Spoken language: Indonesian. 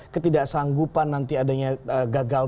ketidaksanggupan nanti adanya gagal